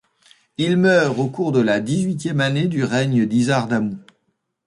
Il meurt au cours de la dix-huitième année du règne d'Isar-Damu.